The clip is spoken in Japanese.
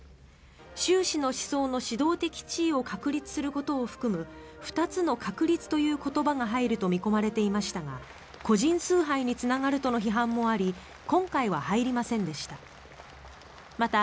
習氏の思想の指導的地位を確立することを含む二つの確立という言葉が入ると見込まれていましたが個人崇拝につながるとの批判もあり今回は入りませんでした。